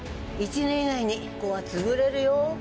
１年以内に、ここは潰れるよ。